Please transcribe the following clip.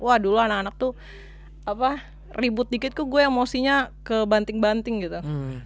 wah dulu anak anak tuh ribut dikitku gue emosinya kebanting banting gitu